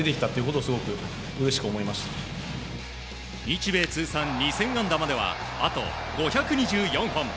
日米通算２０００本安打まではあと５２４本。